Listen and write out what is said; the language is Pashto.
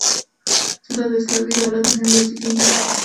چي دا د اسلامي دولت مهمي وظيفي دي